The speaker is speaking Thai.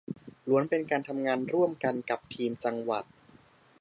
ล้วนเป็นการทำงานร่วมกันกับทีมจังหวัด